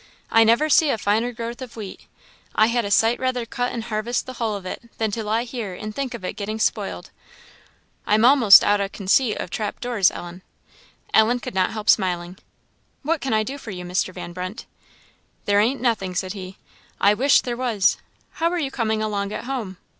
I never see a finer growth of wheat. I had a sight rather cut and harvest the hull of it than to lie here and think of it getting spoiled. I'm a'most out o' conceit o' trap doors, Ellen." Ellen could not help smiling. "What can I do for you, Mr. Van Brunt?" "There ain't nothing," said he; "I wish there was. How are you coming along at home?"